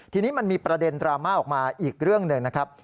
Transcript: ทีนี้มันมีประเด็นดราม่าออกมาอีกเรื่องหนึ่งนะครับ